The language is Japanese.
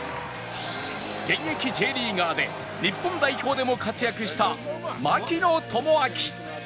現役 Ｊ リーガーで日本代表でも活躍した槙野智章